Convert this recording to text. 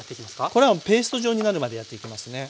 これはペースト状になるまでやっていきますね。